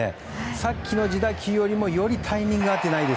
さっきの自打球よりもよりタイミングが合ってません。